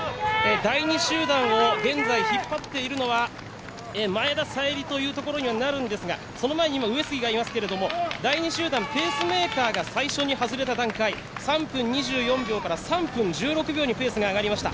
第２集団を現在、引っ張っているのは前田彩里ということにはなるんですがその前に今、上杉がいますけれども第２集団、ペースメーカーが最初に外れた段階３分２４秒から３分１６秒にペースが上がりました。